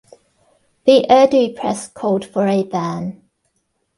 The Urdu press called for a ban.